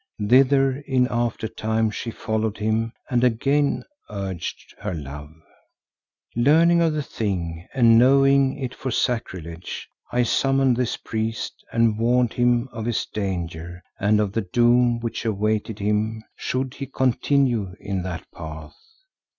Thither in after time she followed him and again urged her love. "Learning of the thing and knowing it for sacrilege, I summoned this priest and warned him of his danger and of the doom which awaited him should he continue in that path.